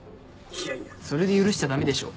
いやいやそれで許しちゃ駄目でしょ。